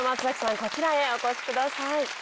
こちらへお越しください。